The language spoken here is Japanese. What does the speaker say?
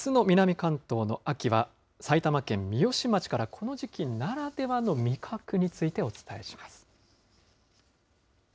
関東の秋は、埼玉県三芳町から、この時期ならではの味覚についてお伝えします。